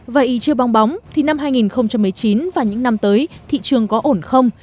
vậy chưa bong bóng thì năm hai nghìn một mươi chín và những năm tới thị trường có ổn không